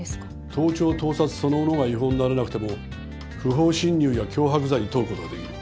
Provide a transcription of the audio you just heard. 盗聴盗撮そのものが違法にならなくても不法侵入や脅迫罪に問うことはできる。